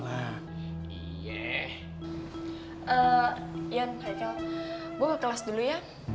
yan haikel gue kelas dulu ya